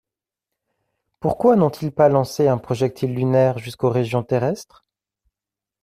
Pourquoi n’ont-ils pas lancé un projectile lunaire jusqu’aux régions terrestres?